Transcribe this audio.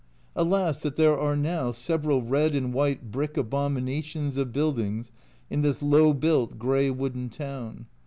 Alas, that there are now several red and white brick abominations of buildings in this low built, grey wooden town.